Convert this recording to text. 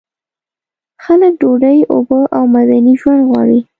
خلک ډوډۍ، اوبه او مدني ژوند غواړي.